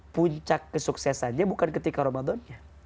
puncak kesuksesannya bukan ketika ramadannya